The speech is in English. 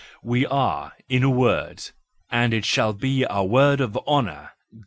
We are, in a word—and it shall be our word of honour!